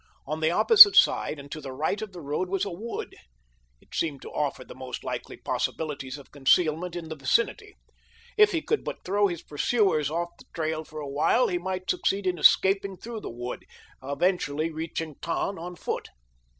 On the opposite side and to the right of the road was a wood. It seemed to offer the most likely possibilities of concealment in the vicinity. If he could but throw his pursuers off the trail for a while he might succeed in escaping through the wood, eventually reaching Tann on foot.